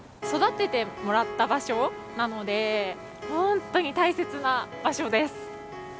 育ててもらった場所なのでホントに大切な場所です。